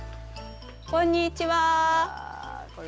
こんにちは。